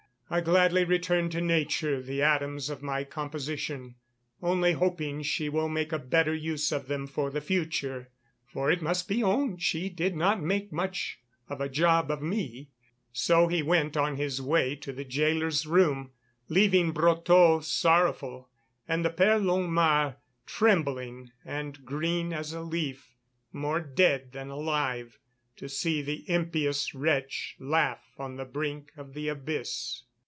I gladly return to Nature the atoms of my composition, only hoping she will make a better use of them for the future, for it must be owned she did not make much of a job of me." So he went on his way to the gaoler's room, leaving Brotteaux sorrowful and the Père Longuemare trembling and green as a leaf, more dead than alive to see the impious wretch laugh on the brink of the abyss.